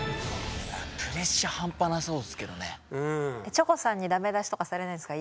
チョコさんにダメ出しとかされないんですか？